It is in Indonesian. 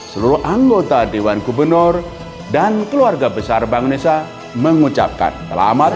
seluruh anggota dewan gubernur dan keluarga besar bank indonesia mengucapkan selamat